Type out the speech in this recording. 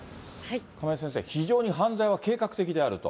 亀井先生、非常に犯罪は計画的であると。